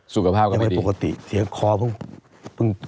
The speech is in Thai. สุขภาพก็ไม่ดียังไม่ปกติเสียงคอเพิ่ง